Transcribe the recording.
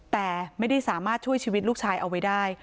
แต่ไม่ได้สามารถช่วยชีวิตลูกชายเอาไว้ได้